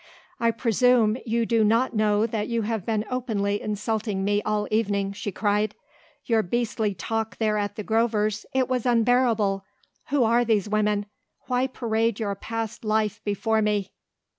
"I presume you do not know that you have been openly insulting me all evening," she cried. "Your beastly talk there at the Grovers it was unbearable who are these women? Why parade your past life before me?"